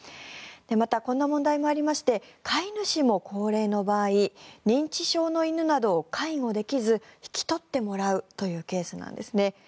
また、こんな問題もありまして飼い主も高齢の場合認知症の犬などを介護できず引き取ってもらうというケースなんですね。